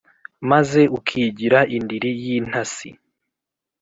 maze ukigira indiri y’intasi,